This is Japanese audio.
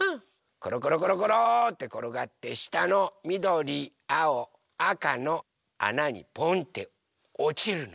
ころころころころってころがってしたのみどりあおあかのあなにポンっておちるの。